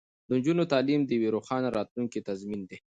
د نجونو تعلیم د یوې روښانه راتلونکې تضمین دی.